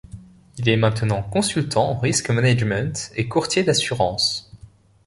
Il est maintenant consultant en risk management et courtier d'assurances.